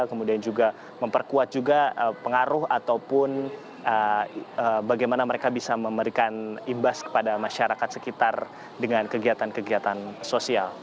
kemudian juga memperkuat juga pengaruh ataupun bagaimana mereka bisa memberikan imbas kepada masyarakat sekitar dengan kegiatan kegiatan sosial